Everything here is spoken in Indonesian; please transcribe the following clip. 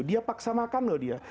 dia paksa makan loh dia